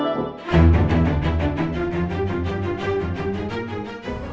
terima kasih cuma